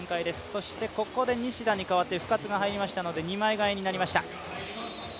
そしてここで西田に代わって深津が入りましたので二枚替えになりました。